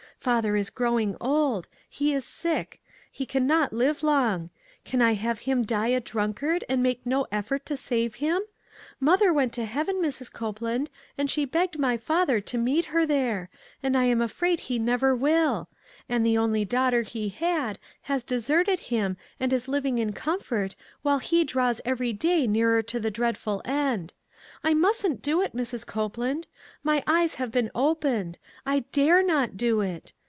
Father is growing old ; he is sick ; he can not live long. Can I have him die a drunk ard, and make no effort to save him ? Mother went to Heaven, Mrs. Copela'nd, and she begged my father to meet her there, and I am afraid he never will; and the only daughter he had has deserted I7O ONE COMMONPLACE DAY. him, and is living in comfort, while he draws every day nearer to the dreadful end. I mustn't do it, Mrs. Copeland. My eyes have been opened ; I dare not do it.